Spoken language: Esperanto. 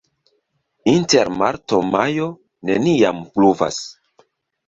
Inter marto-majo neniam pluvas.